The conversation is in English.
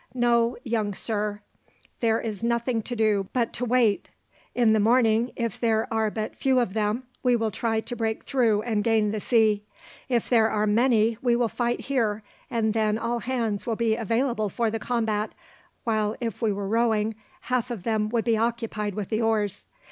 No, young sir, there is nothing to do but to wait. In the morning, if there are but few of them, we will try to break through and gain the sea. If there are many we will fight here, as then all hands will be available for the combat, while if we were rowing, half of them would be occupied with the oars.